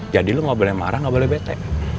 jadi lo gak boleh marah gak boleh bete